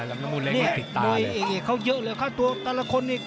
ลำลมูนเล็กมันติดตาเลยมวยเอกเขาเยอะเลยครับตัวละคนเอก